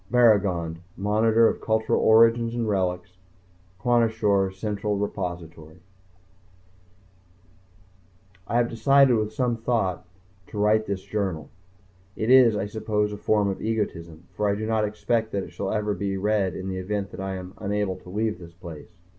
BARRAGOND Monitor of Cultural Origins and Relics Kwashior Central Repository I have decided after some thought, to write this journal. It is, I suppose, a form of egotism for I do not expect that it shall ever be read in the event that I am unable to leave this place.